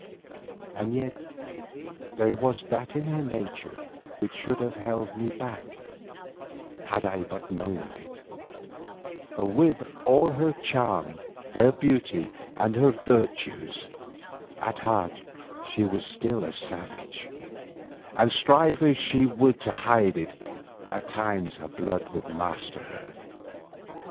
And yet there was that in her nature which should have held me back had I but known of it, for with all her charm, her beauty and her virtues, at heart she was still a savage, and strive as she would to hide it, at times her blood would master her.